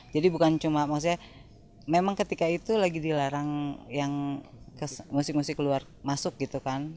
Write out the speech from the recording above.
jadi bukan cuma maksudnya memang ketika itu lagi dilarang yang musik musik keluar masuk gitu kan